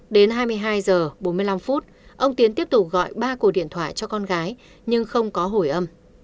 đến hai mươi hai h bốn mươi năm ông tiến tiếp tục gọi ba cổ điện thoại cho con gái nhưng không có hồi âm